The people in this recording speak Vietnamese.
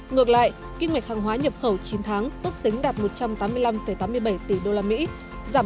ngược lại kinh mệch hàng hóa nhập khẩu chín tháng ước tính đạt một trăm tám mươi năm tám mươi bảy tỷ usd